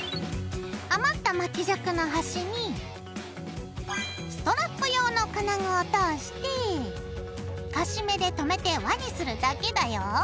余った巻き尺の端にストラップ用の金具を通してカシメでとめて輪にするだけだよ。